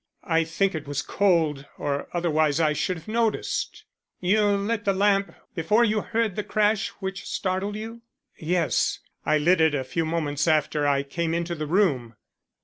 I think it was cold, or otherwise I should have noticed." "You lit the lamp before you heard the crash which startled you?" "Yes. I lit it a few moments after I came into the room."